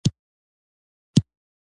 نو زه به يې درته ولولم.